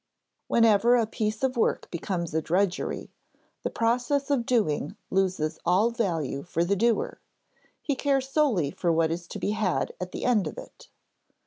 Whenever a piece of work becomes drudgery, the process of doing loses all value for the doer; he cares solely for what is to be had at the end of it.